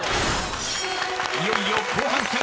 ［いよいよ後半戦］